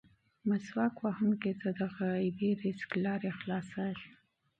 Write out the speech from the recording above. مسواک وهونکي ته د غیبي رزق لارې خلاصېږي.